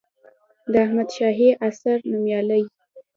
د احمدشاهي عصر نوميالي